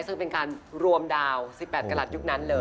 ซึ่งเป็นการรวมดาว๑๘กรัฐยุคนั้นเลย